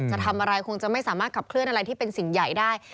จะทำอะไรคงจะไม่สามารถขับเคลื่อนอะไรที่เป็นสิ่งใหญ่ได้